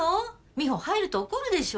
美帆入ると怒るでしょ。